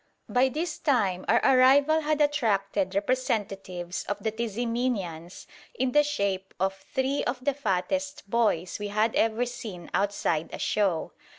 By this time our arrival had attracted representatives of the Tiziminians in the shape of three of the fattest boys we had ever seen outside a show.